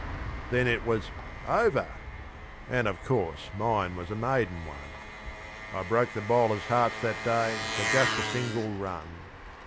Then it was "over," and of course mine was a maiden one, I broke the bowler's hearts that day for just a single run.